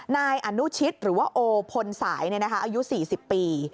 นายอนุชิตหรือว่าโอพลสายอายุ๔๐ปี